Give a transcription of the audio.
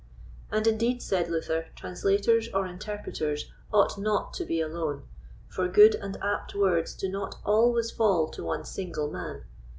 And, indeed, said Luther, translators or interpreters ought not to be alone, for good and apt words do not always fall to one single man.